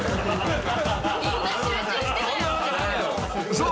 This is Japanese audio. ［そう。